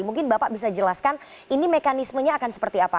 mungkin bapak bisa jelaskan ini mekanismenya akan seperti apa